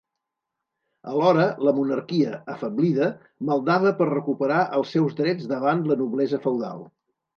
Alhora, la monarquia, afeblida, maldava per recuperar els seus drets davant la noblesa feudal.